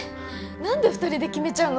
何で２人で決めちゃうの？